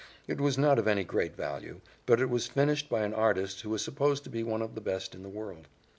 It was not of any great value, but it was finished by an artist who was supposed to be one of the best in the world.